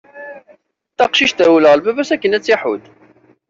Taqcict terwel ɣer baba-s akken ad tt-iḥudd.